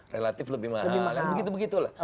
relatif lebih mahal